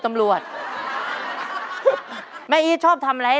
ตัวเลือกที่สอง๘คน